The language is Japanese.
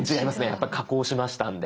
やっぱ加工しましたんで。